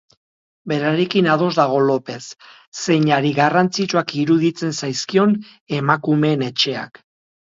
Berarekin ados dago Lopez, zeinari garrantzitsuak iruditzen zaizkion Emakumeen Etxeak.